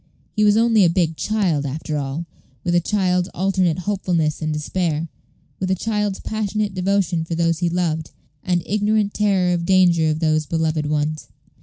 He was only a big child after all, with a child's alternate hopefulness and despair; with a child's passionate devotion for those he loved, and ignorant terror of danger to those beloved ones.